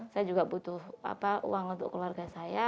saya juga butuh uang untuk keluarga saya